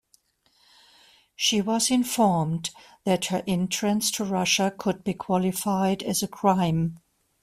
She was informed that her entrance to Russia could be qualified as a crime.